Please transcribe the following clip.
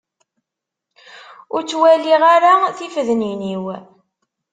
Ur ttwalliɣ ara tifednin-iw.